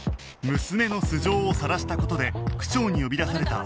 娘の素性をさらした事で区長に呼び出された葵は